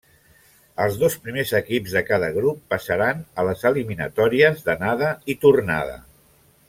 Els dos primers equips de cada grup passaran a les eliminatòries d'anada i tornada.